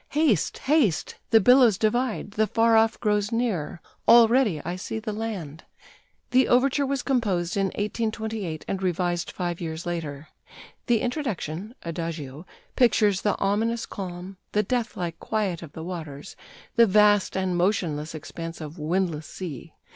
Haste! Haste! The billows divide, the far off grows near; already I see the land!" The overture was composed in 1828, and revised five years later. The introduction (Adagio) pictures the ominous calm, the deathlike quiet of the waters, the vast and motionless expanse of windless sea.